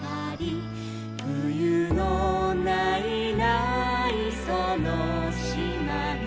「ふゆのないないそのしまの」